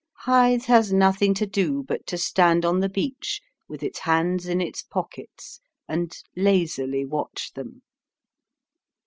Hythe has nothing to do but to stand on the beach with its hands in its pockets and lazily watch them.